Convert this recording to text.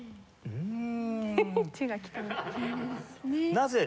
うん！